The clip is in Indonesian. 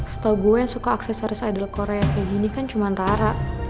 setahu gue yang suka aksesoris idol korea kayak gini kan cuma rara